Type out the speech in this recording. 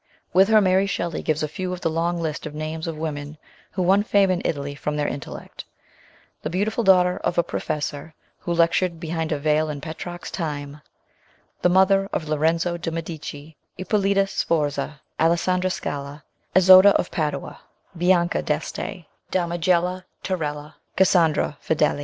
With her Mary Shelley gives a few of the long list of names of women who won fame in Italy from their intellect : the beauti ful daughter of a professor, who lectured behind a veil in Petrarch's time ; the mother of Lorenzo de' Medici, Ippolita Sforza ; Alessandra Scala ; Isotta of Padua ; Bianca d'Este ; Damigella Torella ; Cassandra Fedele.